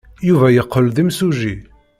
Yuba yeqqel d imsujji.